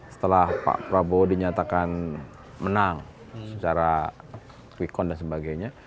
setelah pak prabowo dinyatakan menang secara quick count dan sebagainya